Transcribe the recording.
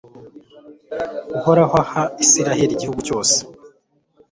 uhoraho aha israheli igihugu cyose